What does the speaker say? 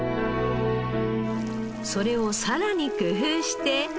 それをさらに工夫して。